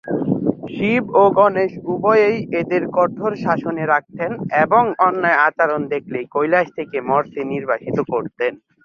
শিব ও গণেশ উভয়েই এদের কঠোর শাসনে রাখতেন এবং অন্যায় আচরণ দেখলে কৈলাস থেকে মর্ত্যে নির্বাসিত করতেন।